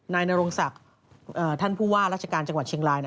นายนรงศักดิ์ท่านผู้ว่าราชการจังหวัดเชียงราย